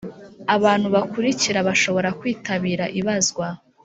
Abantu bakurikira bashobora kwitabira ibazwa